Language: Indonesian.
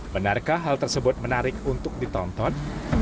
benarkah hal tersebut menarik untuk ditonton